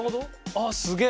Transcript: ああすげえ。